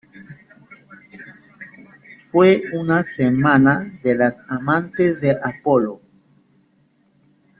Fue una de las amantes de Apolo.